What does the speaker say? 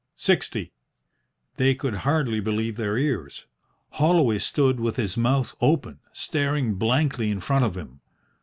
"Sixty." They could hardly believe their ears. Holloway stood with his mouth open, staring blankly in front of him.